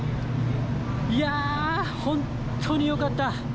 いやー、本当によかった。